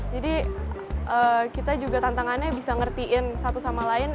jadi kita juga tantangannya bisa ngertiin satu sama lain